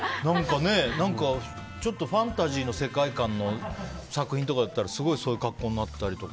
ちょっとファンタジーの世界観の作品とかだったらすごい、そういう格好になったりとか。